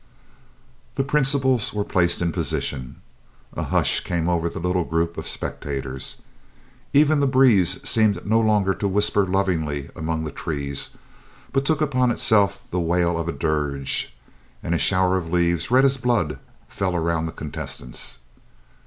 The principals were placed in position. A hush came over the little group of spectators. Even the breeze seemed no longer to whisper lovingly among the trees, but took upon itself the wail of a dirge, and a shower of leaves, red as blood, fell around the contestants.